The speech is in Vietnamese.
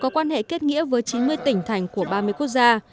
quan hệ kết nghĩa với chín mươi tỉnh thành của ba mươi quốc gia